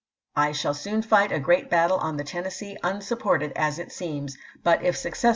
I shaU soon fight a great battle Part n" ^°^^^^ Tennessee unsupported, as it seems ; but if success pp.